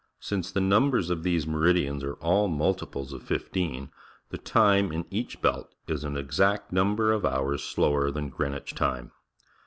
Since tjie numbers of these meridians are all multi ples of fifteen, the t ime in each belt Is an exa ct nu mbgr of hours slower than' CJreenwich tinie.